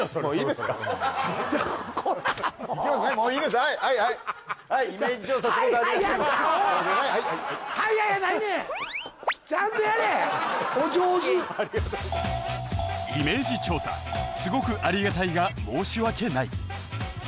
すごくありがたいが申し訳ない」